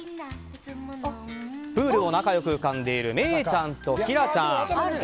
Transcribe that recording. プールを仲良く浮かんでいるメイちゃんとキラちゃん。